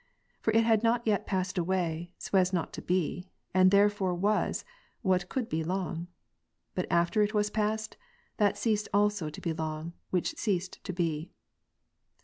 For it had not yet passed away, so as not to be ; and therefore there was, what could be long; but after it was past, that ceased also to be long, which ceased to be.